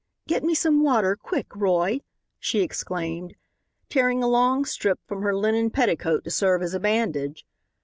"Get me some water quick, Roy," she exclaimed, tearing a long strip from her linen petticoat to serve as a bandage.